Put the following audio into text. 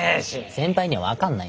先輩には分かんないんすよ。